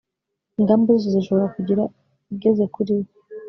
ingamba zose zishoboka kugira ngo igeze kuri we